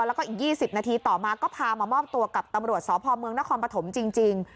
แล้วก็อีกยี่สิบนาทีต่อมาก็พามามอบตัวกับตำรวจสพเมณคอมปฑจริง